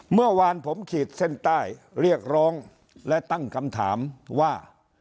เมื่อวานผมขีดเส้นใต้เรียกร้องและตั้งคำถามว่า